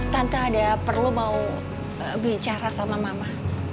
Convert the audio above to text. tanpa ada perlu mau bicara sama mama